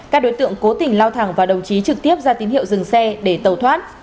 các đối tượng cố tình lao thẳng và đồng chí trực tiếp ra tín hiệu dừng xe để tàu thoát